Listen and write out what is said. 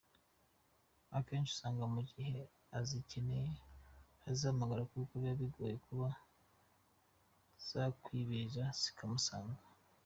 Akenshi usanga mu gihe azikeneye azihamagara kuko biba bigoye kuba zakwibiriza zikamusanga.